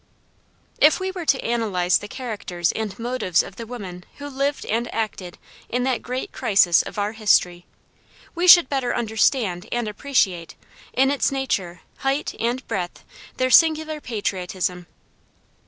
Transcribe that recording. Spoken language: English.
If we were to analyze the characters and motives of the women who lived and acted in that great crisis of our history, we should better understand and appreciate, in its nature, height, and breadth, their singular patriotism.